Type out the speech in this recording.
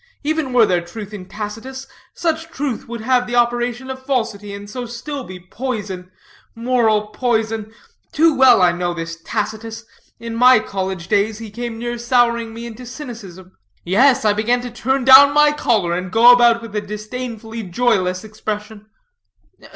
Even were there truth in Tacitus, such truth would have the operation of falsity, and so still be poison, moral poison. Too well I know this Tacitus. In my college days he came near souring me into cynicism. Yes, I began to turn down my collar, and go about with a disdainfully joyless expression."